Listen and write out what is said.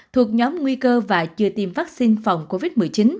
thuộc nhóm nguy cơ và chưa tiêm vaccine phòng covid một mươi chín